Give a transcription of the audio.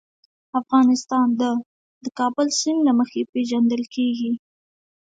افغانستان د د کابل سیند له مخې پېژندل کېږي.